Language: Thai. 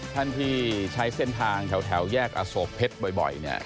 ท่านที่ใช้เส้นทางแถวแยกอโศกเพชรบ่อยเนี่ย